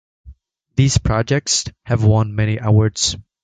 These projects have won many awards.